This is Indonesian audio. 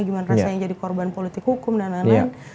gimana rasa yang jadi korban politik hukum dan lain lain